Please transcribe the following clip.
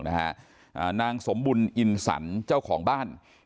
นางสมบุญอินสันเจ้าของบ้าน